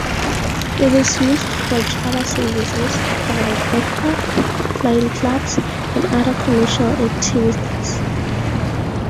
It is used for charter services, private aircraft, flying clubs, and other commercial activities.